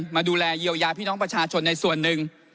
มาดูแลเยียวยาพี่น้องประชาชนในส่วนหนึ่ง